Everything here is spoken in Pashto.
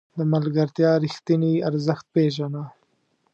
د ملګرتیا رښتیني ارزښت پېژنه.